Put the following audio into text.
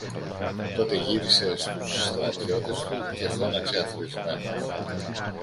Τότε γύρισε στους στρατιώτες του και φώναξε αφρισμένος